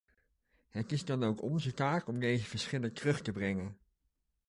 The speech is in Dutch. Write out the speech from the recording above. Het is dan ook onze taak om deze verschillen terug te brengen.